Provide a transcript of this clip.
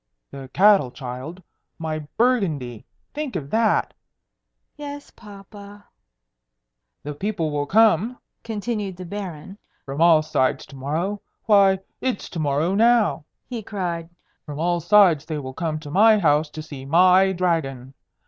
"The cattle, child! my Burgundy! Think of that!" "Yes, papa." "The people will come," continued the Baron, "from all sides to morrow why, it's to morrow now!" he cried. "From all sides they will come to my house to see my Dragon.